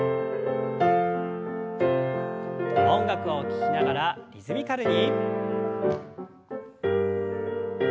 音楽を聞きながらリズミカルに。